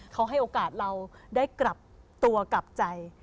เขาให้โอกาสเราได้กลับตัวกลับใจ